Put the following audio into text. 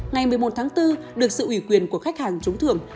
ngày một mươi một tháng bốn được sự ủy quyền của khách hàng trúng thưởng